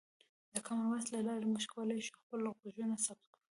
د کامن وایس له لارې موږ کولی شو خپل غږونه ثبت کړو.